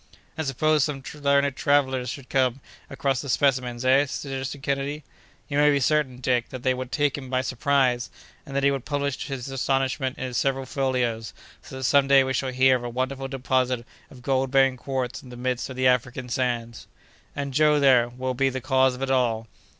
"And suppose some learned traveller should come across these specimens, eh?" suggested Kennedy. "You may be certain, Dick, that they would take him by surprise, and that he would publish his astonishment in several folios; so that some day we shall hear of a wonderful deposit of gold bearing quartz in the midst of the African sands!" "And Joe there, will be the cause of it all!"